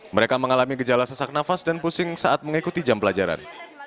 mereka mengalami gejala sesak nafas dan pusing saat mengikuti jam pelajaran